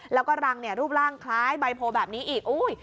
แล้วก็รังเนี่ยรูปร่างคล้ายใบโพแบบนี้อีก